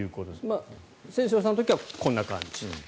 千正さんの時はこんな感じ